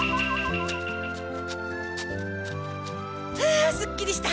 あすっきりした！